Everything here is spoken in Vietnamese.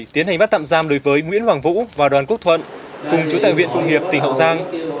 tiến hành bắt tạm giam đối với nguyễn hoàng vũ và đoàn quốc thuận cùng chú tại huyện phung hiệp tỉnh học giang